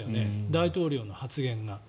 大統領の発言が。